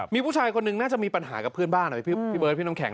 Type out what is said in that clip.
มีผู้ชายคนหนึ่งน่าจะมีปัญหากับเพื่อนบ้านอ่ะพี่เบิร์ดพี่น้ำแข